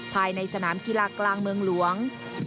ภายในสนามกีฬากลางเมืองหลวง